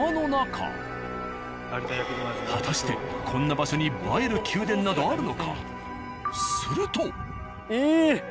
果たしてこんな場所に映える宮殿などあるのか？